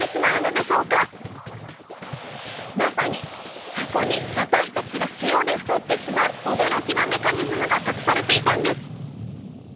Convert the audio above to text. まさにそこに私たちが塩で太ってしまう驚きのメカニズムが隠されていたんです！